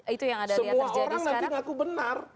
semua orang nanti mengaku benar